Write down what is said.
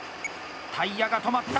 タイヤが止まった。